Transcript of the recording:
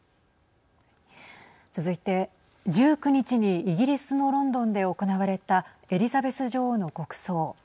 続いて１９日にイギリスのロンドンで行われたエリザベス女王の国葬。